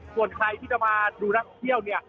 ส่วนใครที่จะมาดูนักเที่ยวเนี่ย